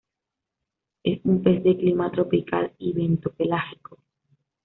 Es un pez de clima tropical y bentopelágico.